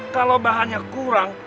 kalau bahannya kurang